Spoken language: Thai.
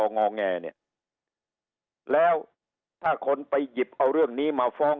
งอแงเนี่ยแล้วถ้าคนไปหยิบเอาเรื่องนี้มาฟ้อง